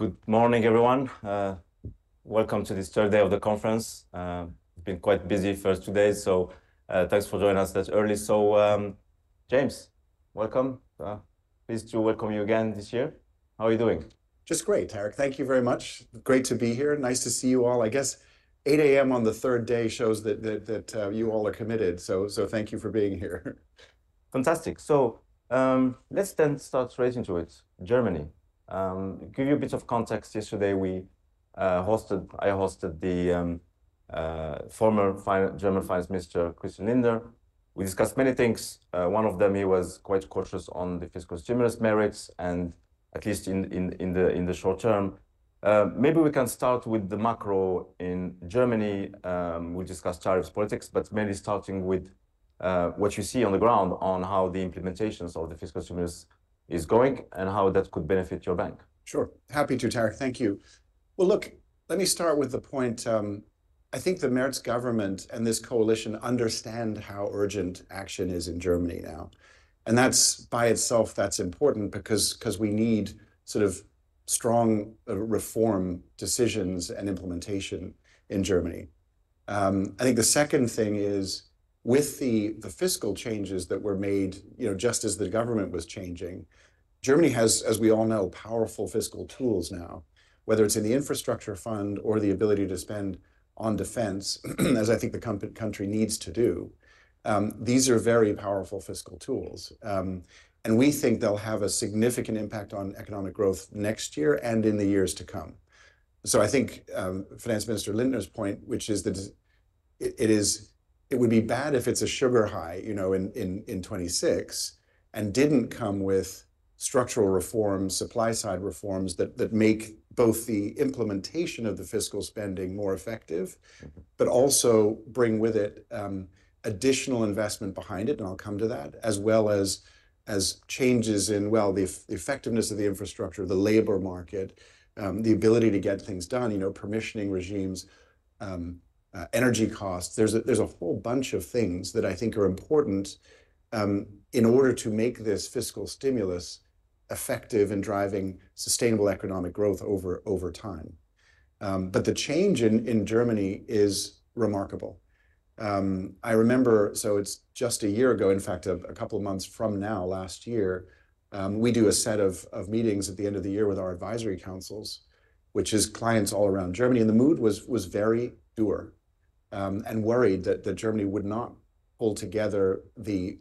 Good morning, everyone. Welcome to this third day of the conference. It's been quite busy for today, so thanks for joining us that early, so James, welcome. Pleased to welcome you again this year. How are you doing? Just great, Tarik. Thank you very much. Great to be here. Nice to see you all. I guess 8:00 A.M. on the third day shows that you all are committed. So thank you for being here. Fantastic. So, let's then start straight into it. Germany. Give you a bit of context. Yesterday, I hosted the former German finance minister, Christian Lindner. We discussed many things. One of them, he was quite cautious on the fiscal stimulus merits, and at least in the short term. Maybe we can start with the macro in Germany. We discussed tariffs politics, but mainly starting with what you see on the ground on how the implementations of the fiscal stimulus is going and how that could benefit your bank. Sure. Happy to,. Thank you. Well, look, let me start with the point. I think the Merz government and this coalition understand how urgent action is in Germany now. And that's by itself, that's important because we need sort of strong reform decisions and implementation in Germany. I think the second thing is with the fiscal changes that were made, you know, just as the government was changing, Germany has, as we all know, powerful fiscal tools now, whether it's in the infrastructure fund or the ability to spend on defense, as I think the country needs to do. These are very powerful fiscal tools, and we think they'll have a significant impact on economic growth next year and in the years to come. I think Finance Minister Lindner's point, which is that it is, it would be bad if it's a sugar high, you know, in 2026 and didn't come with structural reforms, supply side reforms that make both the implementation of the fiscal spending more effective, but also bring with it additional investment behind it. And I'll come to that, as well as changes in, well, the effectiveness of the infrastructure, the labor market, the ability to get things done, you know, permissioning regimes, energy costs. There's a whole bunch of things that I think are important, in order to make this fiscal stimulus effective and driving sustainable economic growth over time, but the change in Germany is remarkable. I remember, so it's just a year ago, in fact, a couple of months from now, last year, we do a set of meetings at the end of the year with our advisory councils, which is clients all around Germany. The mood was very dour and worried that Germany would not pull together the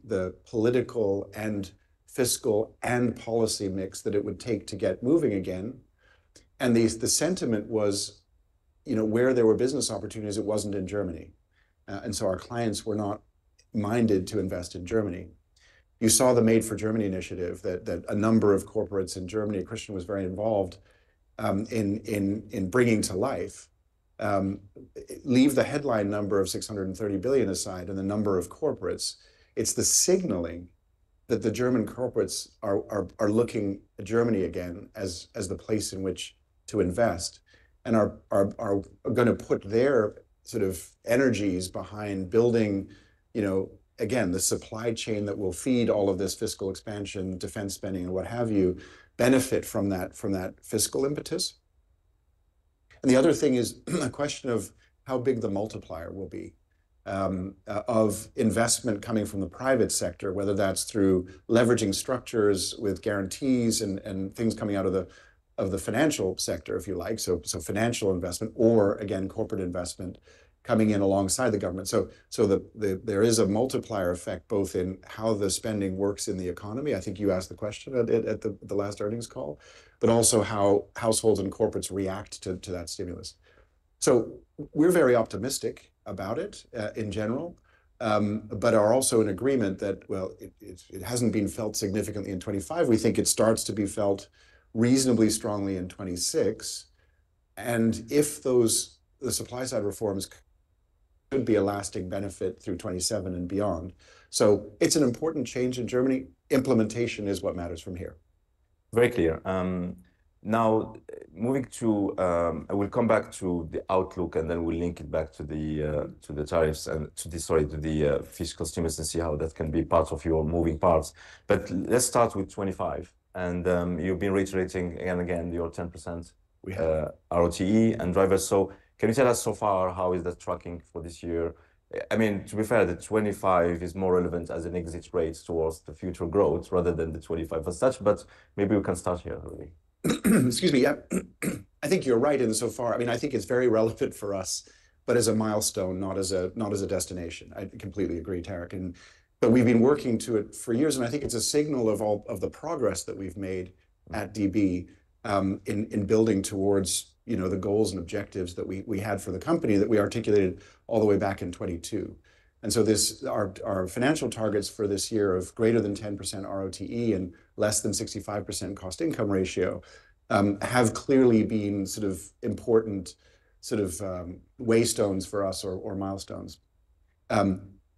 political and fiscal and policy mix that it would take to get moving again. The sentiment was, you know, where there were business opportunities, it wasn't in Germany, and so our clients were not minded to invest in Germany. You saw the Made for Germany initiative that a number of corporates in Germany, Christian was very involved in bringing to life. Leave the headline number of 630 billion aside and the number of corporates. It's the signaling that the German corporates are looking at Germany again as the place in which to invest and are going to put their sort of energies behind building, you know, again, the supply chain that will feed all of this fiscal expansion, defense spending, and what have you. Benefit from that, from that fiscal impetus. The other thing is a question of how big the multiplier will be, of investment coming from the private sector, whether that's through leveraging structures with guarantees and things coming out of the financial sector, if you like. So financial investment or again, corporate investment coming in alongside the government. So there is a multiplier effect both in how the spending works in the economy. I think you asked the question at the last earnings call, but also how households and corporates react to that stimulus, so we're very optimistic about it, in general, but are also in agreement that it hasn't been felt significantly in 2025. We think it starts to be felt reasonably strongly in 2026, and if the supply side reforms could be a lasting benefit through 2027 and beyond, so it's an important change in Germany. Implementation is what matters from here. Very clear. Now moving to, I will come back to the outlook and then we'll link it back to the, to the tariffs and to the, sorry, to the, fiscal stimulus and see how that can be part of your moving parts. But let's start with 2025 and, you've been reiterating again and again your 10% ROTE and drivers. So can you tell us so far how is that tracking for this year? I mean, to be fair, the 2025 is more relevant as an exit rate towards the future growth rather than the 2025 as such, but maybe we can start here. Excuse me. Yeah, I think you're right in so far. I mean, I think it's very relevant for us, but as a milestone, not as a destination. I completely agree, Tarik. And, but we've been working to it for years and I think it's a signal of all of the progress that we've made at DB, in building towards, you know, the goals and objectives that we had for the company that we articulated all the way back in 2022. And so this, our financial targets for this year of greater than 10% ROTE and less than 65% cost-income ratio, have clearly been sort of important waystones for us or milestones.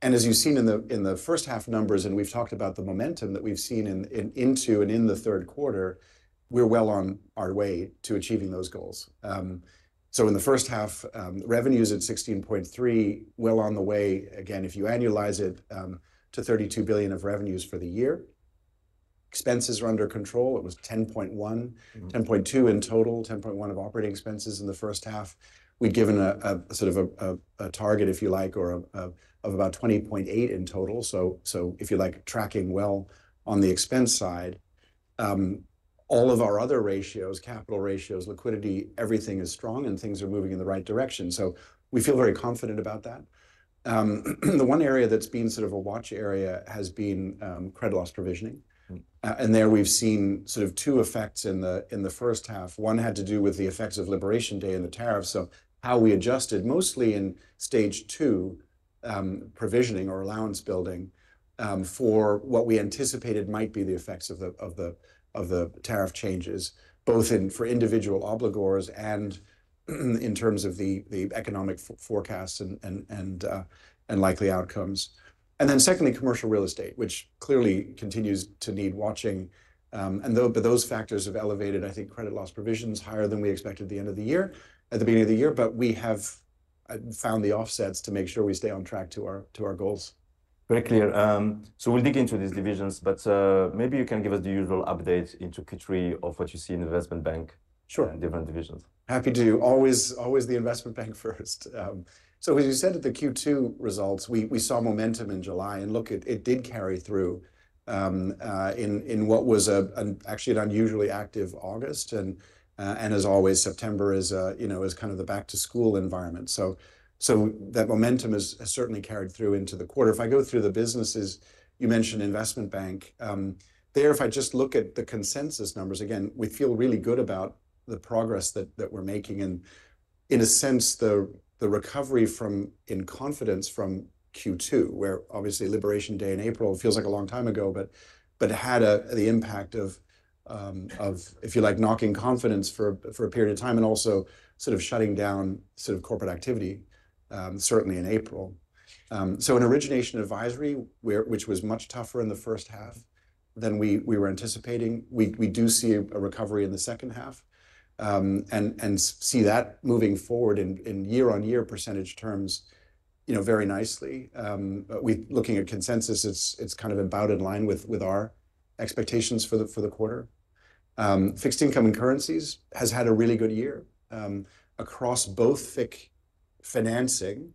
As you've seen in the first half numbers, and we've talked about the momentum that we've seen in into and in the third quarter, we're well on our way to achieving those goals. In the first half, revenues at 16.3 billion, well on the way again, if you annualize it, to 32 billion of revenues for the year. Expenses are under control. It was 10.1-10.2 billion in total, 10.1 billion of operating expenses in the first half. We'd given a sort of target, if you like, or a of about 20.8 billion in total. If you like tracking well on the expense side, all of our other ratios, capital ratios, liquidity, everything is strong and things are moving in the right direction. We feel very confident about that. The one area that's been sort of a watch area has been credit loss provisioning. There we've seen sort of two effects in the first half. One had to do with the effects of Liberation Day and the tariffs. So how we adjusted mostly in Stage 2 provisioning or allowance building, for what we anticipated might be the effects of the tariff changes, both in for individual obligors and in terms of the economic forecasts and likely outcomes. And then secondly, commercial real estate, which clearly continues to need watching. But those factors have elevated, I think, credit loss provisions higher than we expected the end of the year, at the beginning of the year, but we have found the offsets to make sure we stay on track to our goals. Very clear. So we'll dig into these divisions, but maybe you can give us the usual update into Q3 of what you see in the Investment Bank and different divisions. Sure. Happy to. Always the Investment Bank first. So as you said at the Q2 results, we saw momentum in July and look, it did carry through in what was actually an unusually active August. And as always, September is, you know, kind of the back to school environment. So that momentum has certainly carried through into the quarter. If I go through the businesses, you mentioned Investment Bank. If I just look at the consensus numbers again, we feel really good about the progress that we're making. In a sense, the recovery in confidence from Q2, where obviously Liberation Day in April feels like a long time ago, but had the impact of, if you like, knocking confidence for a period of time and also sort of shutting down corporate activity, certainly in April, so an origination and advisory, which was much tougher in the first half than we were anticipating. We do see a recovery in the second half, and see that moving forward in year-on-year percentage terms, you know, very nicely. We're looking at consensus; it's kind of about in line with our expectations for the quarter. Fixed Income and Currencies has had a really good year, across both FIC financing,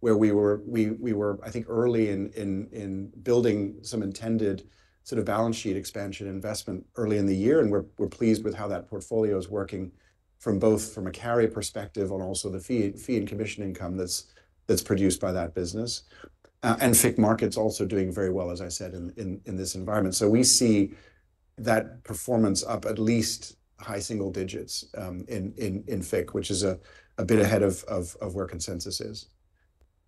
where we were, I think early in building some intended sort of balance sheet expansion investment early in the year. And we're pleased with how that portfolio is working from both a carry perspective and also the fee and commission income that's produced by that business. FIC markets also doing very well, as I said, in this environment. So we see that performance up at least high single digits, in FIC, which is a bit ahead of where consensus is.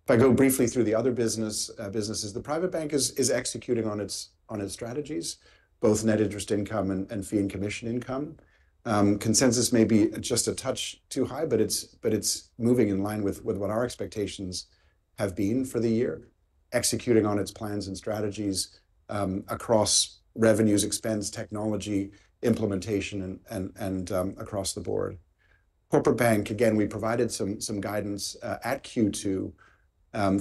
If I go briefly through the other businesses, the private bank is executing on its strategies, both net interest income and fee and commission income. Consensus may be just a touch too high, but it's moving in line with what our expectations have been for the year, executing on its plans and strategies, across revenues, expense, technology implementation and across the board. Corporate bank, again, we provided some guidance at Q2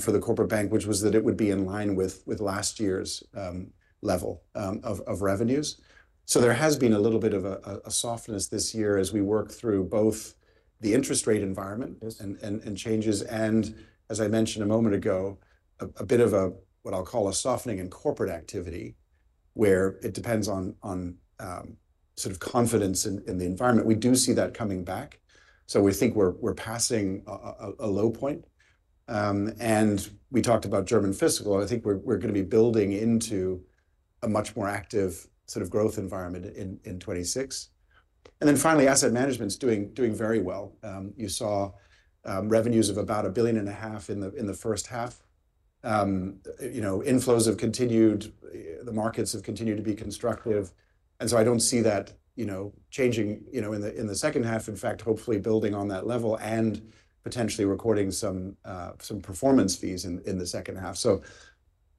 for the corporate bank, which was that it would be in line with last year's level of revenues. So there has been a little bit of a softness this year as we work through both the interest rate environment and changes, and as I mentioned a moment ago, a bit of a what I'll call a softening in corporate activity where it depends on sort of confidence in the environment. We do see that coming back. So we think we're passing a low point. And we talked about German fiscal. I think we're going to be building into a much more active sort of growth environment in 2026. And then finally, asset management's doing very well. You saw revenues of about 1.5 billion in the first half. You know, inflows have continued, the markets have continued to be constructive. And so I don't see that, you know, changing in the second half. In fact, hopefully building on that level and potentially recording some performance fees in the second half. So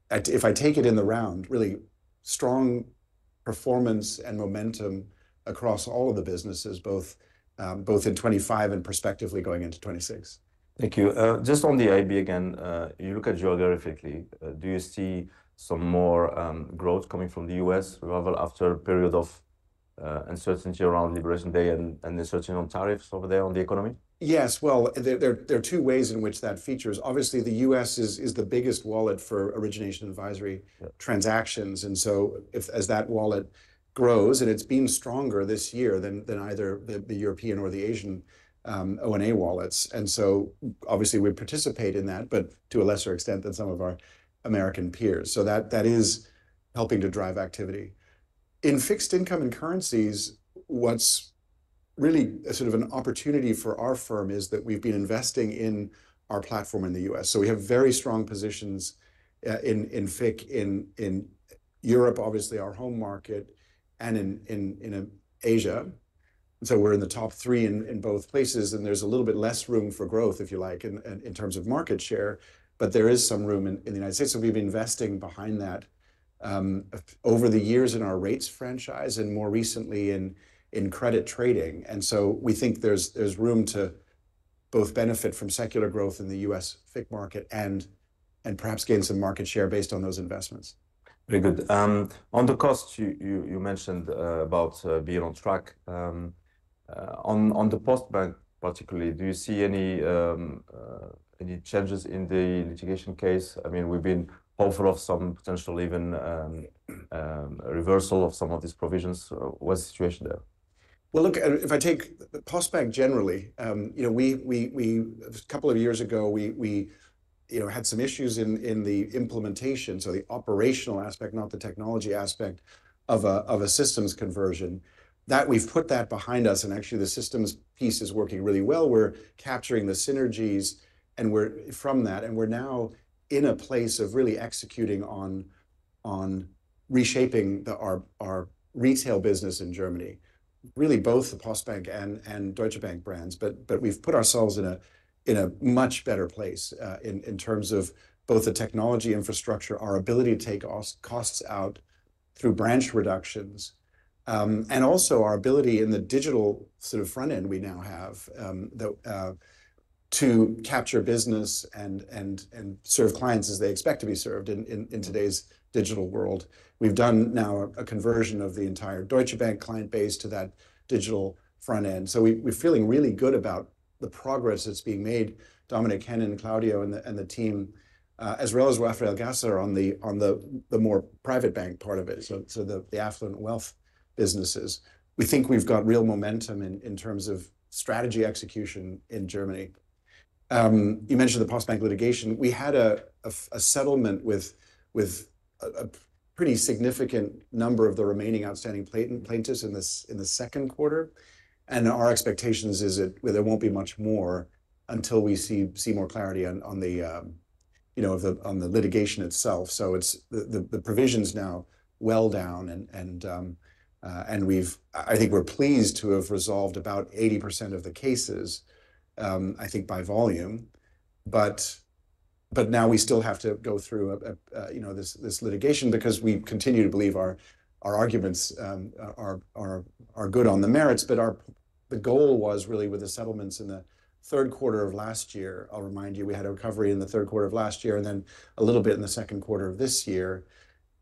if I take it in the round, really strong performance and momentum across all of the businesses, both in 2025 and prospectively going into 2026. Thank you. Just on the IB again, you look at geographically, do you see some more growth coming from the U.S. rather after a period of uncertainty around Liberation Day and uncertainty on tariffs over there on the economy? Yes. Well, there are two ways in which that features. Obviously, the U.S. is the biggest wallet for origination advisory transactions. And so as that wallet grows and it's been stronger this year than either the European or the Asian O and A wallets. And so obviously we participate in that, but to a lesser extent than some of our American peers. So that is helping to drive activity in fixed income and currencies. What's really a sort of an opportunity for our firm is that we've been investing in our platform in the U.S. So we have very strong positions in FIC in Europe, obviously our home market and in Asia. And so we're in the top three in both places. And there's a little bit less room for growth, if you like, in terms of market share, but there is some room in the United States. So we've been investing behind that, over the years in our rates franchise and more recently in credit trading. And so we think there's room to both benefit from secular growth in the U.S. FIC market and perhaps gain some market share based on those investments. Very good. On the costs, you mentioned about being on track, on the Postbank particularly, do you see any changes in the litigation case? I mean, we've been hopeful of some potential even reversal of some of these provisions. What's the situation there? Look, if I take the Postbank generally, you know, we a couple of years ago, you know, had some issues in the implementation. So the operational aspect, not the technology aspect of a systems conversion that we've put that behind us. Actually the systems piece is working really well. We're capturing the synergies and we're from that and we're now in a place of really executing on reshaping our retail business in Germany, really both the Postbank and Deutsche Bank brands. But we've put ourselves in a much better place, in terms of both the technology infrastructure, our ability to take costs out through branch reductions, and also our ability in the digital sort of front end we now have, to capture business and serve clients as they expect to be served in today's digital world. We've done now a conversion of the entire Deutsche Bank client base to that digital front end. So we're feeling really good about the progress that's being made. Dominik Hennen and Claudio and the team, as well as Raffael Gasser on the more private bank part of it. So the affluent wealth businesses, we think we've got real momentum in terms of strategy execution in Germany. You mentioned the Postbank litigation. We had a settlement with a pretty significant number of the remaining outstanding plaintiffs in the second quarter. And our expectations is that there won't be much more until we see more clarity on the, you know, on the litigation itself. So the provisions now well down and we've, I think we're pleased to have resolved about 80% of the cases, I think by volume. But now we still have to go through, you know, this litigation because we continue to believe our arguments are good on the merits. But the goal was really with the settlements in the third quarter of last year. I'll remind you we had a recovery in the third quarter of last year and then a little bit in the second quarter of this year.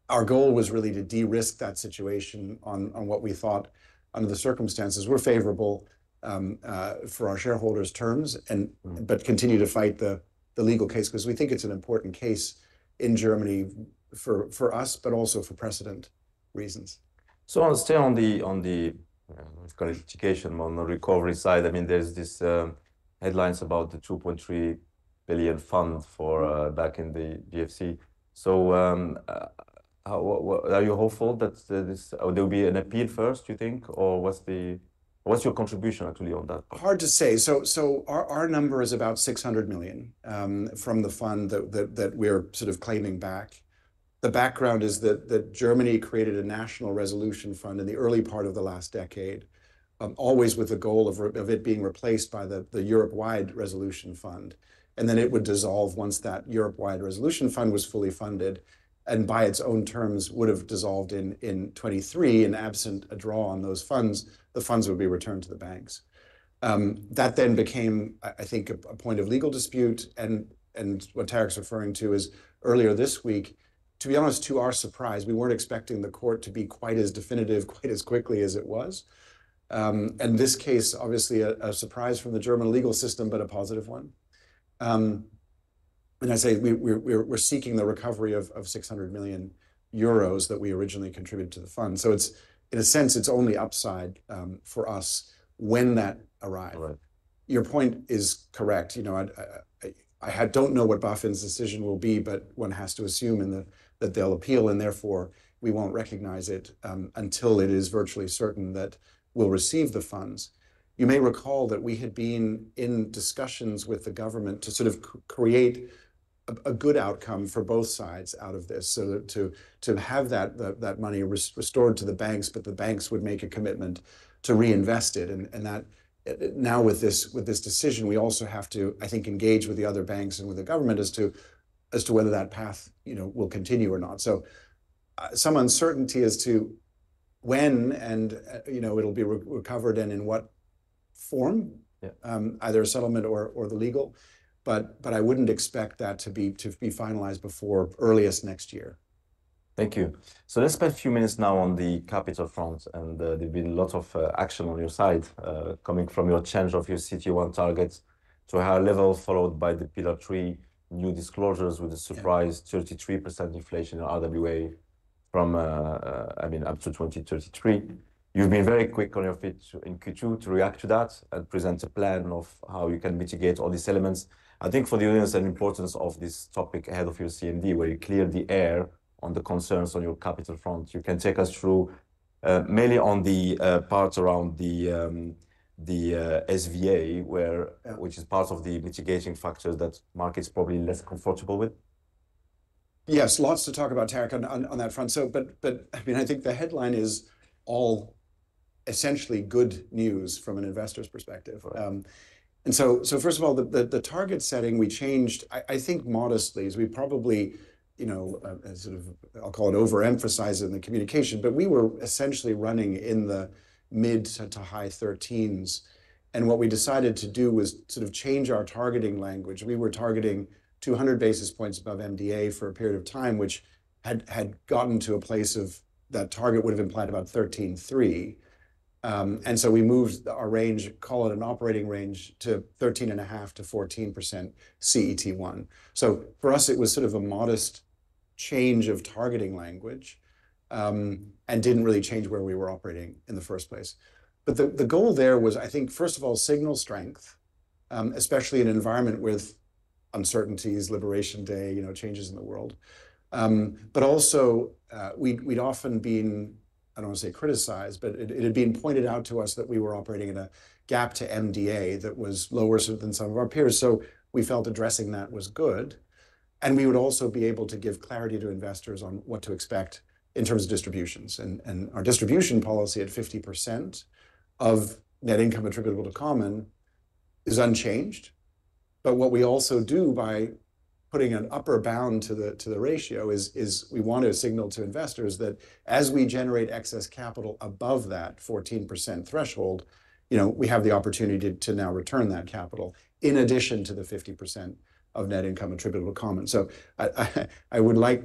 Our goal was really to de-risk that situation on what we thought under the circumstances were favorable for our shareholders' terms and but continue to fight the legal case 'cause we think it's an important case in Germany for us, but also for precedent reasons. I'll stay on the, let's call it litigation recovery side. I mean, there's headlines about the 2.3 billion fund for back in the GFC. What are you hopeful that there'll be an appeal first, do you think, or what's your contribution actually on that? Hard to say. So our number is about 600 million from the fund that we are sort of claiming back. The background is that Germany created a national resolution fund in the early part of the last decade, always with the goal of it being replaced by the Europe-wide resolution fund. And then it would dissolve once that Europe-wide resolution fund was fully funded and by its own terms would've dissolved in 2023 in absent a draw on those funds, the funds would be returned to the banks. That then became, I think, a point of legal dispute. And what Tarik's referring to is earlier this week, to be honest, to our surprise, we weren't expecting the court to be quite as definitive, quite as quickly as it was. and this case, obviously a surprise from the German legal system, but a positive one. And I say we're seeking the recovery of 600 million euros that we originally contributed to the fund. So it's, in a sense, only upside for us when that arrives. Right. Your point is correct. You know, I don't know what BaFin's decision will be, but one has to assume in that they'll appeal and therefore we won't recognize it, until it is virtually certain that we'll receive the funds. You may recall that we had been in discussions with the government to sort of create a good outcome for both sides out of this. So to have that money restored to the banks, but the banks would make a commitment to reinvest it. And that now with this decision, we also have to, I think, engage with the other banks and with the government as to whether that path, you know, will continue or not. Some uncertainty as to when and, you know, it'll be recovered and in what form, either a settlement or the legal, but I wouldn't expect that to be finalized before earliest next year. Thank you. So let's spend a few minutes now on the capital front. There've been lots of action on your side, coming from your change of your CET1 target to higher level followed by the Pillar Three new disclosures with a surprise 33% inflation in RWA from, I mean, up to 2033. You've been very quick on your FIC in Q2 to react to that and present a plan of how you can mitigate all these elements. I think for the audience, an importance of this topic ahead of your CMD, where you clear the air on the concerns on your capital front. You can take us through mainly on the parts around the SVA, which is part of the mitigating factors that market's probably less comfortable with. Yes. Lots to talk about, Tarik, on that front. So, but I mean, I think the headline is all essentially good news from an investor's perspective. First of all, the target setting we changed, I think modestly. We probably, you know, sort of I'll call it overemphasized in the communication, but we were essentially running in the mid- to high-thirteens. What we decided to do was sort of change our targeting language. We were targeting 200 basis points above MDA for a period of time, which had gotten to a place where that target would've implied about 13.3%. And so we moved our range, call it an operating range, to 13.5%-14% CET1. So for us, it was sort of a modest change of targeting language, and didn't really change where we were operating in the first place. But the goal there was, I think, first of all, signal strength, especially in an environment with uncertainties, Liberation Day, you know, changes in the world. But also, we'd often been, I don't wanna say criticized, but it had been pointed out to us that we were operating in a gap to MDA that was lower than some of our peers. So we felt addressing that was good. And we would also be able to give clarity to investors on what to expect in terms of distributions. And our distribution policy at 50% of net income attributable to common is unchanged. But what we also do by putting an upper bound to the ratio is we want to signal to investors that as we generate excess capital above that 14% threshold, you know, we have the opportunity to now return that capital in addition to the 50% of net income attributable to common. So I would like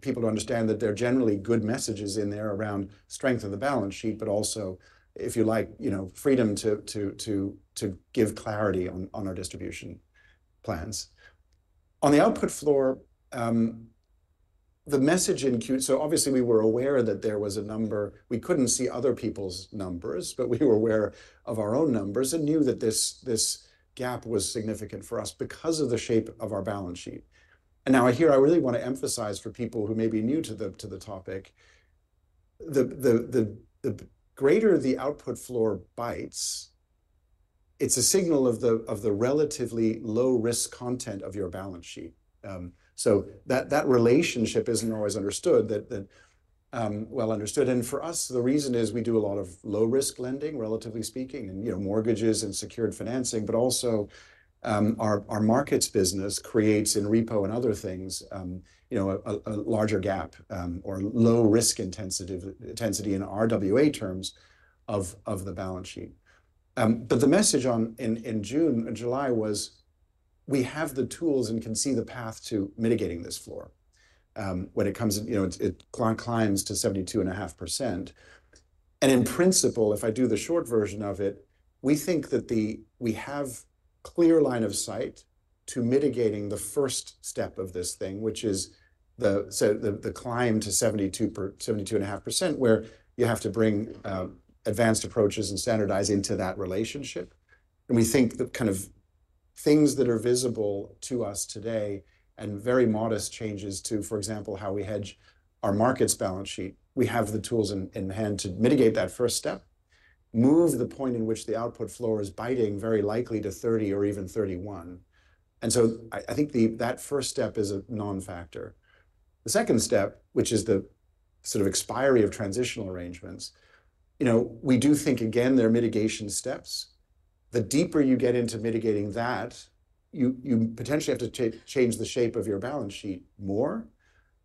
people to understand that there are generally good messages in there around strength of the balance sheet, but also if you like, you know, freedom to give clarity on our distribution plans on the output floor. The message in Q, so obviously we were aware that there was a number, we couldn't see other people's numbers, but we were aware of our own numbers and knew that this gap was significant for us because of the shape of our balance sheet. And now I hear. I really wanna emphasize for people who may be new to the topic, the greater the output floor bites. It's a signal of the relatively low risk content of your balance sheet. So that relationship isn't always understood that well understood. And for us, the reason is we do a lot of low risk lending, relatively speaking, and you know, mortgages and secured financing, but also our markets business creates in repo and other things, you know, a larger gap, or low risk intensity in RWA terms of the balance sheet. But the message on in June, in July was we have the tools and can see the path to mitigating this floor when it comes to, you know, it climbs to 72.5%. In principle, if I do the short version of it, we think that we have clear line of sight to mitigating the first step of this thing, which is the climb to 72%, 72.5%, where you have to bring advanced approaches and standardize into that relationship. We think that kind of things that are visible to us today and very modest changes to, for example, how we hedge our markets balance sheet, we have the tools in hand to mitigate that first step, move the point in which the output floor is biting very likely to 30 or even 31. I think that first step is a non-factor. The second step, which is the sort of expiry of transitional arrangements, you know, we do think again, there are mitigation steps. The deeper you get into mitigating that, you potentially have to change the shape of your balance sheet more.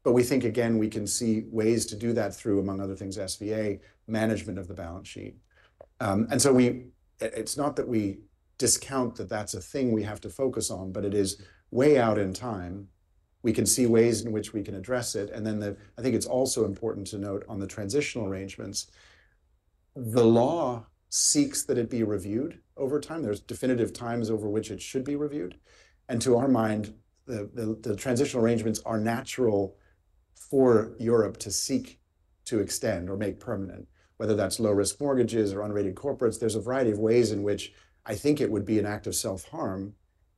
But we think again, we can see ways to do that through, among other things, SVA management of the balance sheet. And so we, it's not that we discount that that's a thing we have to focus on, but it is way out in time. We can see ways in which we can address it. And then, I think it's also important to note on the transitional arrangements, the law seeks that it be reviewed over time. There's definitive times over which it should be reviewed. And to our mind, the transitional arrangements are natural for Europe to seek to extend or make permanent, whether that's low risk mortgages or unrated corporates. There's a variety of ways in which I think it would be an act of self-harm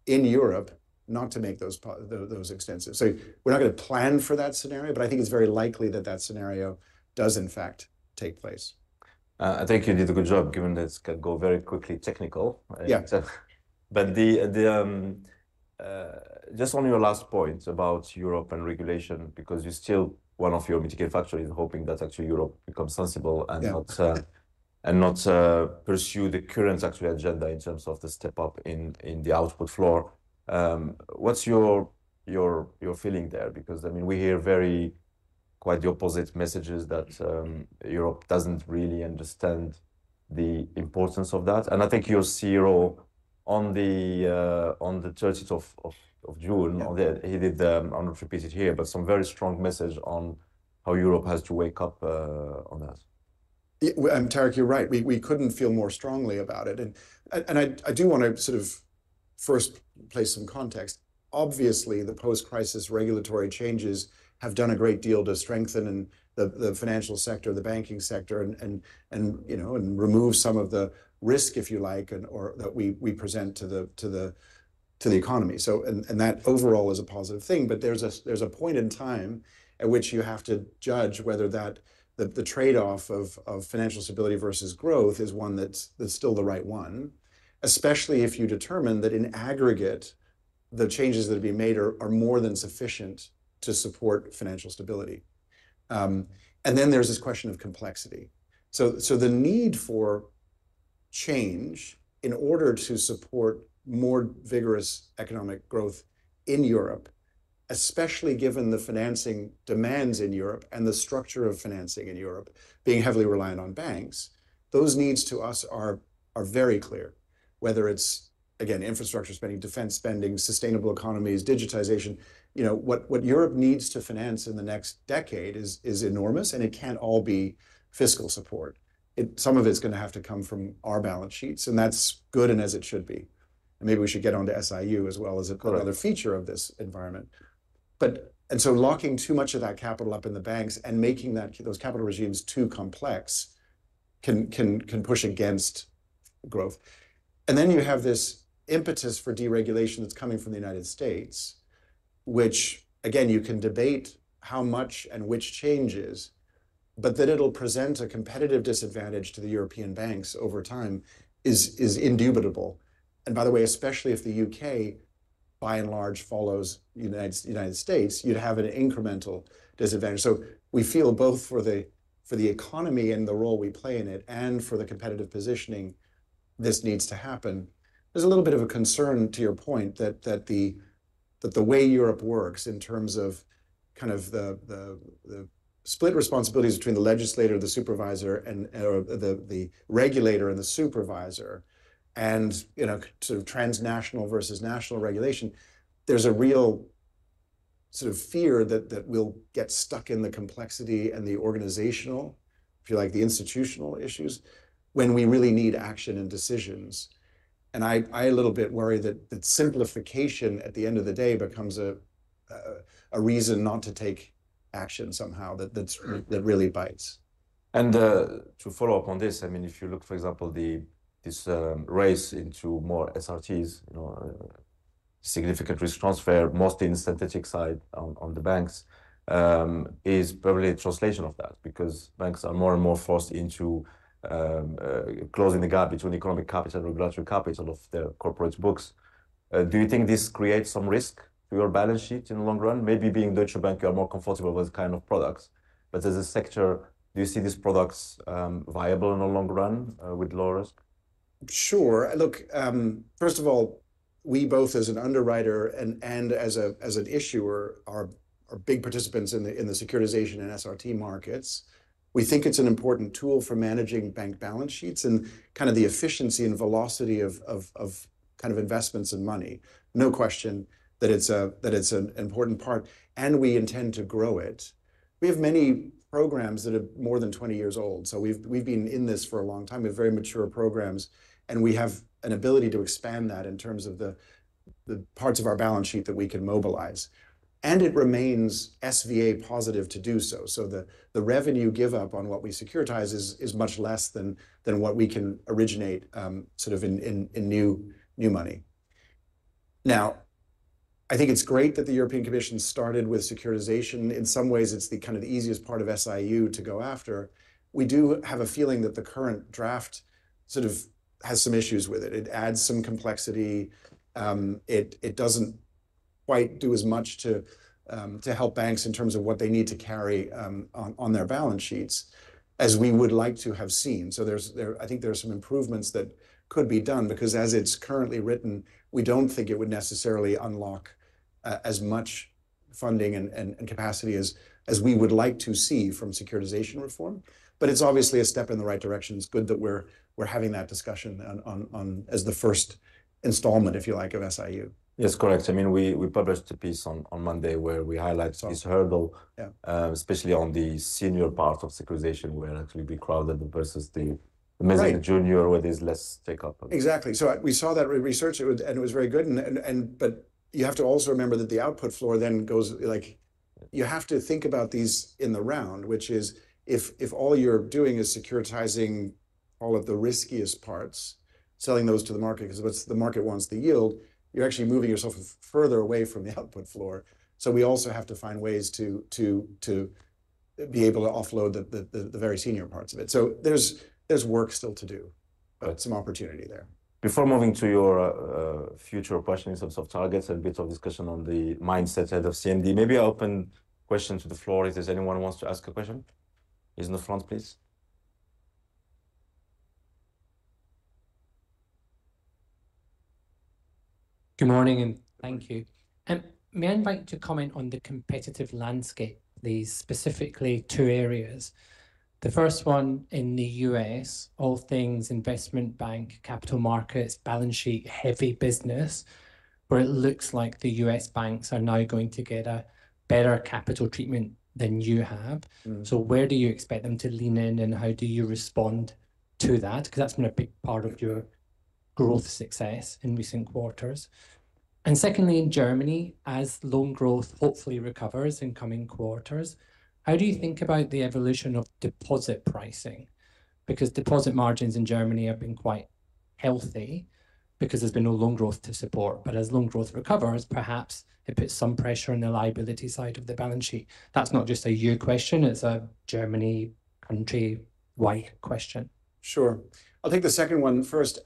in Europe not to make those extensive, so we're not gonna plan for that scenario, but I think it's very likely that scenario does in fact take place. I think you did a good job given that it's gonna go very quickly technical. Yeah. So, but just on your last point about Europe and regulation, because one of your mitigating factors is hoping that actually Europe becomes sensible and not pursue the current actual agenda in terms of the step up in the output floor. What's your feeling there? Because I mean, we hear quite the opposite messages that Europe doesn't really understand the importance of that. And I think your CEO on the 30th of June, he did but some very strong message on how Europe has to wake up on that. Yeah, I'm Tarik, you're right. We couldn't feel more strongly about it. And I do wanna sort of first place some context. Obviously, the post-crisis regulatory changes have done a great deal to strengthen the financial sector, the banking sector, and you know, remove some of the risk, if you like, or that we present to the economy. So, and that overall is a positive thing, but there's a point in time at which you have to judge whether the trade-off of financial stability versus growth is one that's still the right one, especially if you determine that in aggregate, the changes that are being made are more than sufficient to support financial stability, and then there's this question of complexity. The need for change in order to support more vigorous economic growth in Europe, especially given the financing demands in Europe and the structure of financing in Europe being heavily reliant on banks. Those needs to us are very clear, whether it's again, infrastructure spending, defense spending, sustainable economies, digitization, you know, what Europe needs to finance in the next decade is enormous and it can't all be fiscal support. Some of it's gonna have to come from our balance sheets and that's good and as it should be. Maybe we should get onto SIU as well as another feature of this environment. Locking too much of that capital up in the banks and making those capital regimes too complex can push against growth. Then you have this impetus for deregulation that's coming from the United States, which again, you can debate how much and which changes, but that it'll present a competitive disadvantage to the European banks over time is indubitable. By the way, especially if the U.K. by and large follows the United States, you'd have an incremental disadvantage. We feel both for the economy and the role we play in it and for the competitive positioning, this needs to happen. There's a little bit of a concern to your point that the way Europe works in terms of kind of the split responsibilities between the legislator, the supervisor, and or the regulator and the supervisor, and you know, sort of transnational versus national regulation. There's a real sort of fear that we'll get stuck in the complexity and the organizational, if you like, the institutional issues when we really need action and decisions. I a little bit worry that simplification at the end of the day becomes a reason not to take action somehow. That's that really bites. To follow up on this, I mean, if you look, for example, this race into more SRTs, you know, significant risk transfer, mostly in the synthetic side on the banks, is probably a translation of that because banks are more and more forced into closing the gap between economic capital and regulatory capital of their corporate books. Do you think this creates some risk to your balance sheet in the long run? Maybe being Deutsche Bank, you are more comfortable with this kind of products, but as a sector, do you see these products viable in the long run with low risk? Sure. Look, first of all, we both as an underwriter and as an issuer are big participants in the securitization and SRT markets. We think it's an important tool for managing bank balance sheets and kind of the efficiency and velocity of kind of investments and money. No question that it's an important part and we intend to grow it. We have many programs that are more than 20 years old. So we've been in this for a long time. We have very mature programs and we have an ability to expand that in terms of the parts of our balance sheet that we can mobilize. And it remains SVA positive to do so. So the revenue give up on what we securitize is much less than what we can originate, sort of in new money. Now, I think it's great that the European Commission started with securitization. In some ways, it's the kind of the easiest part of SIU to go after. We do have a feeling that the current draft sort of has some issues with it. It adds some complexity. It doesn't quite do as much to help banks in terms of what they need to carry on their balance sheets as we would like to have seen. So I think there are some improvements that could be done because as it's currently written, we don't think it would necessarily unlock as much funding and capacity as we would like to see from securitization reform. But it's obviously a step in the right direction. It's good that we're having that discussion on as the first installment, if you like, of SIU. Yes, correct. I mean, we published a piece on Monday where we highlight this hurdle. Yeah. Especially on the senior part of securitization, where actually we crowded out versus the mezzanine junior with his less take-up. Exactly. So we saw that research. It was, and it was very good. But you have to also remember that the output floor then goes like, you have to think about these in the round, which is if all you're doing is securitizing all of the riskiest parts, selling those to the market, 'cause what's the market wants the yield, you're actually moving yourself further away from the output floor. So we also have to find ways to be able to offload the very senior parts of it. So there's work still to do, but some opportunity there. Before moving to your future questions of targets and bits of discussion on the mindset ahead of CMD, maybe I open question to the floor. If there's anyone who wants to ask a question, he's in the front, please. Good morning and thank you. And may I invite to comment on the competitive landscape, these specifically two areas. The first one in the U.S., all things investment bank, capital markets, balance sheet heavy business, where it looks like the U.S. banks are now going to get a better capital treatment than you have. So where do you expect them to lean in and how do you respond to that? 'Cause that's been a big part of your growth success in recent quarters. And secondly, in Germany, as loan growth hopefully recovers in coming quarters, how do you think about the evolution of deposit pricing? Because deposit margins in Germany have been quite healthy because there's been no loan growth to support. But as loan growth recovers, perhaps it puts some pressure on the liability side of the balance sheet. That's not just a you question, it's a Germany countrywide question. Sure. I think the second one first,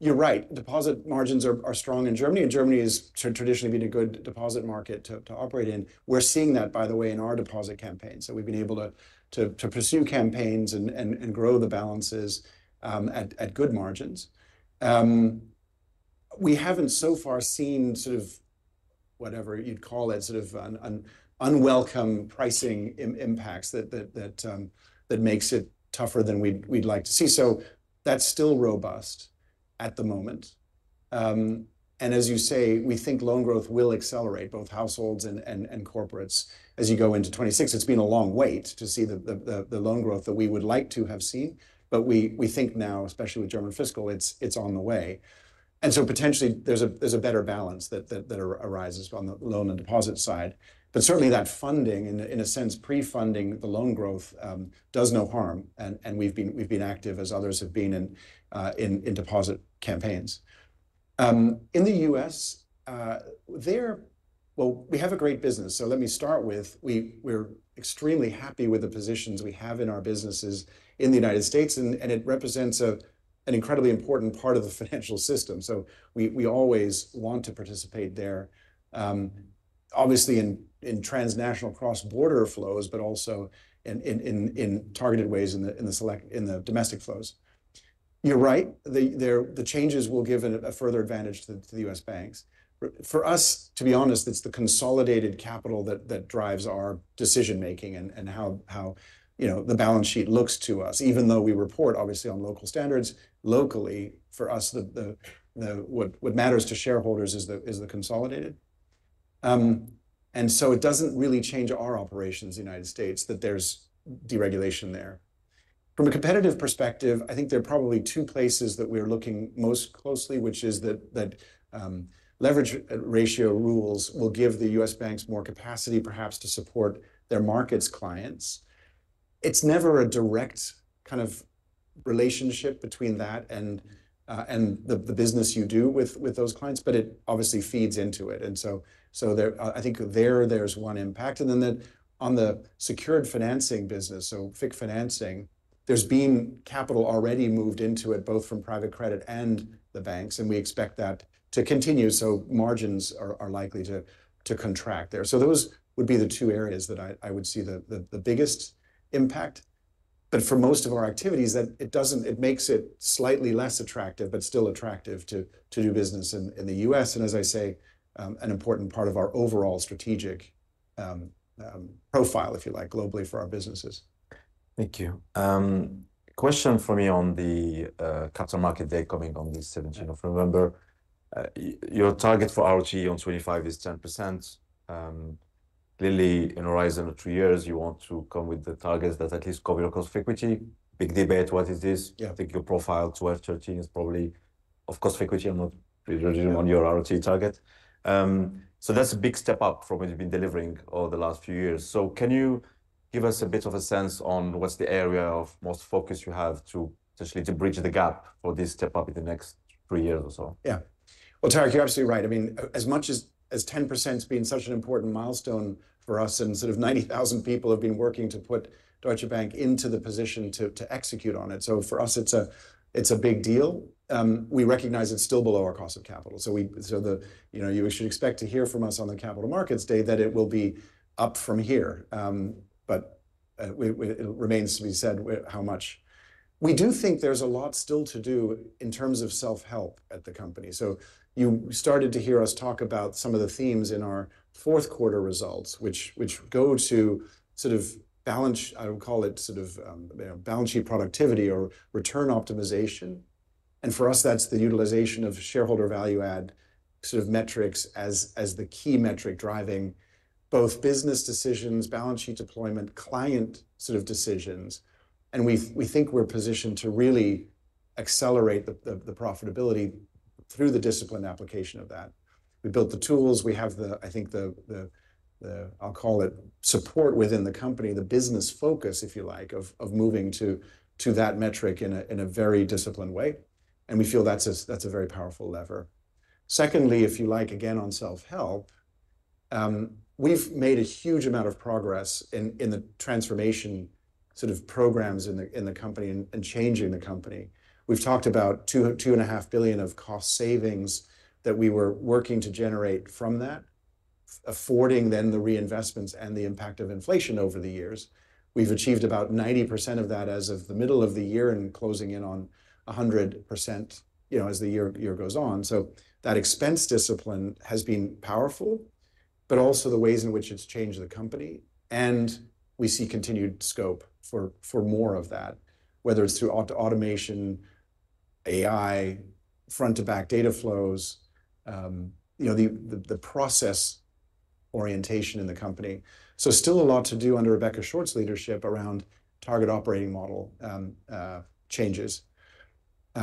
you're right. Deposit margins are strong in Germany, and Germany has traditionally been a good deposit market to operate in. We're seeing that, by the way, in our deposit campaign, so we've been able to pursue campaigns and grow the balances at good margins. We haven't so far seen sort of whatever you'd call it, sort of unwelcome pricing impacts that makes it tougher than we'd like to see, so that's still robust at the moment, and as you say, we think loan growth will accelerate both households and corporates as you go into 2026. It's been a long wait to see the loan growth that we would like to have seen. But we think now, especially with German fiscal, it's on the way. And so potentially there's a better balance that arises on the loan and deposit side. But certainly that funding, in a sense, pre-funding the loan growth, does no harm. And we've been active as others have been in deposit campaigns. In the U.S., well, we have a great business. So let me start with. We're extremely happy with the positions we have in our businesses in the United States. And it represents an incredibly important part of the financial system. So we always want to participate there, obviously in transnational cross border flows, but also in targeted ways in the select domestic flows. You're right. The changes will give a further advantage to the U.S. banks. For us, to be honest, it's the consolidated capital that drives our decision making and how, you know, the balance sheet looks to us, even though we report obviously on local standards locally. For us, what matters to shareholders is the consolidated. So it doesn't really change our operations in the United States that there's deregulation there. From a competitive perspective, I think there are probably two places that we are looking most closely, which is that leverage ratio rules will give the US banks more capacity perhaps to support their markets clients. It's never a direct kind of relationship between that and the business you do with those clients, but it obviously feeds into it. And so there, I think there's one impact. And then that on the secured financing business, so FIC financing, there's been capital already moved into it, both from private credit and the banks. And we expect that to continue. So margins are likely to contract there. So those would be the two areas that I would see the biggest impact. But for most of our activities, that it doesn't, it makes it slightly less attractive, but still attractive to do business in the U.S. And as I say, an important part of our overall strategic profile, if you like, globally for our businesses. Thank you. Question for me on the Capital Markets Day coming on the 17th of November. Your target for ROTE on 2025 is 10%. Clearly in horizon of two years, you want to come with the targets that at least cover your cost of equity. Big debate. What is this? Yeah. I think your ROTE 12-13 is probably of cost of equity. I'm not really on your ROTE target. So that's a big step up from what you've been delivering over the last few years. So can you give us a bit of a sense on what's the area of most focus you have to potentially bridge the gap for this step up in the next three years or so? Yeah. Well, Tarik, you're absolutely right. I mean, as much as, as 10% has been such an important milestone for us and sort of 90,000 people have been working to put Deutsche Bank into the position to, to execute on it. So for us, it's a, it's a big deal. We recognize it's still below our cost of capital. So we, so the, you know, you should expect to hear from us on the Capital Markets Day that it will be up from here, but we, it remains to be said how much. We do think there's a lot still to do in terms of self-help at the company. So you started to hear us talk about some of the themes in our fourth quarter results, which, which go to sort of balance. I would call it sort of, you know, balance sheet productivity or return optimization. And for us, that's the utilization of shareholder value added sort of metrics as the key metric driving both business decisions, balance sheet deployment, client sort of decisions. We think we're positioned to really accelerate the profitability through the disciplined application of that. We built the tools, we have the, I think the support within the company, the business focus, if you like, of moving to that metric in a very disciplined way. And we feel that's a very powerful lever. Secondly, if you like, again, on self-help, we've made a huge amount of progress in the transformation sort of programs in the company and changing the company. We've talked about 2-2.5 billion of cost savings that we were working to generate from that, affording then the reinvestments and the impact of inflation over the years. We've achieved about 90% of that as of the middle of the year and closing in on 100%, you know, as the year goes on. So that expense discipline has been powerful, but also the ways in which it's changed the company. We see continued scope for more of that, whether it's through automation, AI, front to back data flows, you know, the process orientation in the company. Still a lot to do under Rebecca Short's leadership around target operating model changes,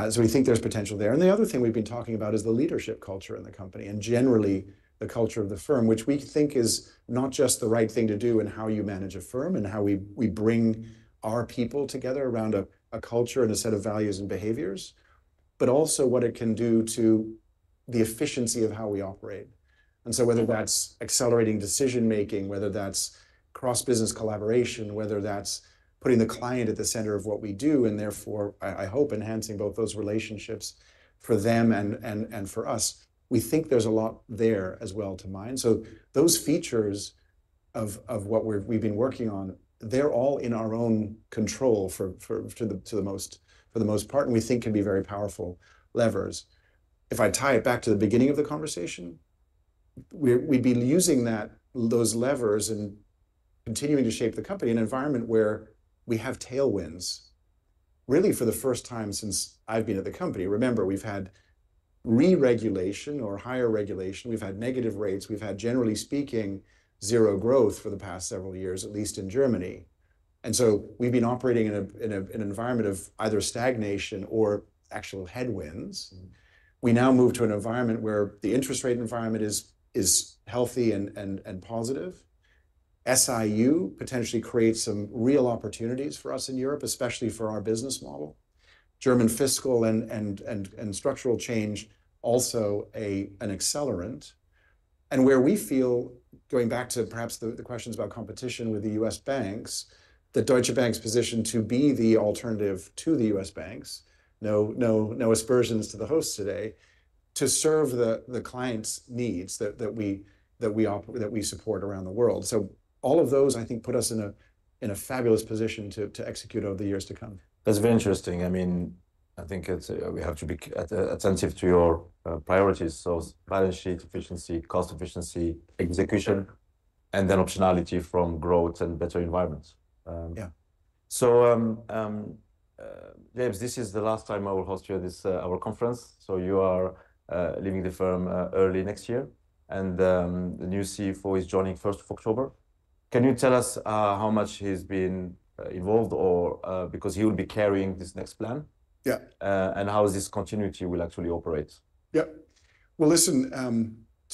so we think there's potential there. And the other thing we've been talking about is the leadership culture in the company and generally the culture of the firm, which we think is not just the right thing to do and how you manage a firm and how we bring our people together around a culture and a set of values and behaviors, but also what it can do to the efficiency of how we operate. And so whether that's accelerating decision making, whether that's cross business collaboration, whether that's putting the client at the center of what we do, and therefore I hope enhancing both those relationships for them and for us, we think there's a lot there as well to mine. Those features of what we've been working on, they're all in our own control for the most part, and we think can be very powerful levers. If I tie it back to the beginning of the conversation, we'd be using those levers and continuing to shape the company in an environment where we have tailwinds really for the first time since I've been at the company. Remember, we've had re-regulation or higher regulation. We've had negative rates. We've had, generally speaking, zero growth for the past several years, at least in Germany. We've been operating in an environment of either stagnation or actual headwinds. We now move to an environment where the interest rate environment is healthy and positive. SIU potentially creates some real opportunities for us in Europe, especially for our business model. German fiscal and structural change also an accelerant and where we feel, going back to perhaps the questions about competition with the US banks, the Deutsche Bank's position to be the alternative to the US banks, no, no, no aspersions to the host today, to serve the client's needs that we operate, that we support around the world, so all of those, I think, put us in a fabulous position to execute over the years to come. That's very interesting. I mean, I think it's, we have to be attentive to your priorities. So balance sheet efficiency, cost efficiency, execution, and then optionality from growth and better environments. Yeah. James, this is the last time I will host you at this, our conference. You are leaving the firm early next year. The new CFO is joining first of October. Can you tell us how much he's been involved or because he will be carrying this next plan? Yeah. And how is this continuity will actually operate? Yep. Well, listen,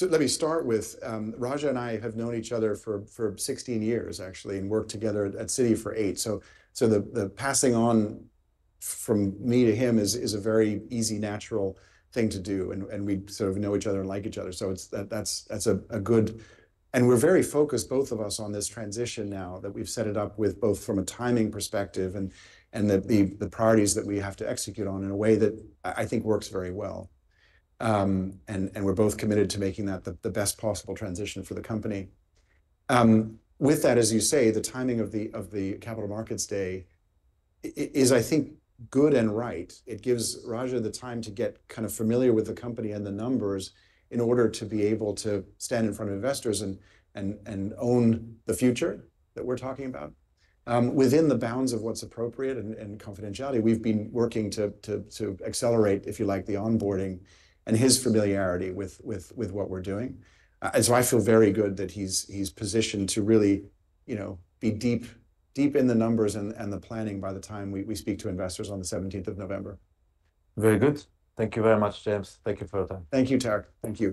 let me start with, Raja and I have known each other for 16 years actually, and worked together at Citi for eight. So the passing on from me to him is a very easy, natural thing to do. And we sort of know each other and like each other. So that's a good, and we're very focused both of us on this transition now that we've set it up both from a timing perspective and the priorities that we have to execute on in a way that I think works very well. And we're both committed to making that the best possible transition for the company. With that, as you say, the timing of the Capital Markets Day is, I think, good and right. It gives Raja the time to get kind of familiar with the company and the numbers in order to be able to stand in front of investors and own the future that we're talking about, within the bounds of what's appropriate and confidentiality. We've been working to accelerate, if you like, the onboarding and his familiarity with what we're doing. And so I feel very good that he's positioned to really, you know, be deep in the numbers and the planning by the time we speak to investors on the 17th of November. Very good. Thank you very much, James. Thank you for your time. Thank you, Tarik. Thank you.